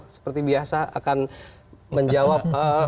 seperti biasa akan menjawab